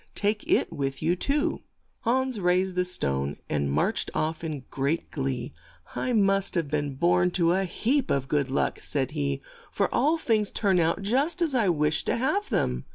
Take it with you too." Hans raised the stone, and marched off in great glee. "I must have been born to a heap of good luck, '' said he, '' for all things turn out just as I wish to have them."